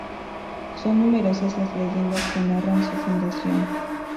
Son numerosas las leyendas que narran su fundación.